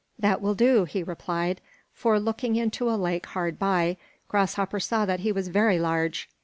"That will do," he replied, for, looking into a lake hard by, Grasshopper saw that he was very large.